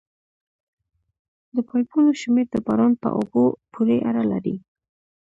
د پایپونو شمېر د باران په اوبو پورې اړه لري